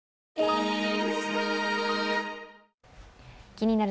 「気になる！